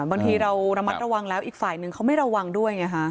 บางทีเราระมัดระวังแล้วอีกฝ่ายนึงเขาไม่ระวังด้วยไงฮะ